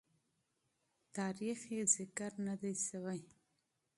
تاریخ یې ذکر نه دی سوی.